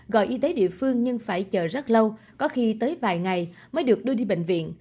gọi y tế địa phương nhưng phải chờ rất lâu có khi tới vài ngày mới được đưa đi bệnh viện